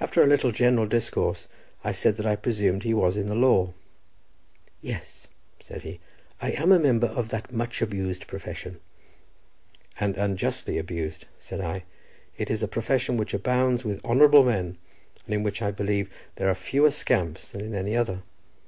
After a little general discourse, I said that I presumed he was in the law. "Yes," said he, "I am a member of that much abused profession." "And unjustly abused," said I; "it is a profession which abounds with honourable men, and in which I believe there are fewer scamps than in any other.